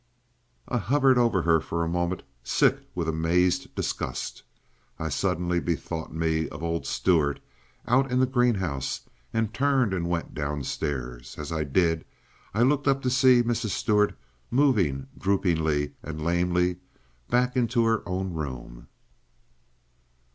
I hovered over her for a moment, sick with amazed disgust. I suddenly bethought me of old Stuart, out in the greenhouse, and turned and went downstairs. As I did so, I looked up to see Mrs. Stuart moving droopingly and lamely back into her own room.